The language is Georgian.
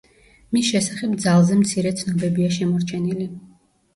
მის შესახებ ძალზე მცირე ცნობებია შემორჩენილი.